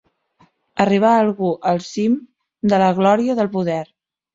Arribar algú al cim de la glòria, del poder.